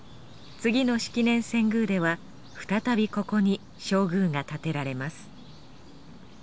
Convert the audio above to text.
次の式年遷宮では再びここに正宮が建てられます